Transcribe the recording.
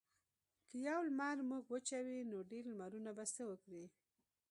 که یو لمر موږ وچوي نو ډیر لمرونه به څه وکړي.